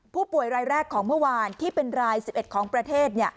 ผู้ป่วยรายแรกของเมื่อวานที่เป็นราย๑๑ของประเทศ